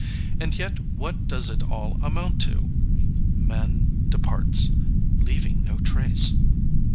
And yet what does it all amount to? Man departs, leaving no trace."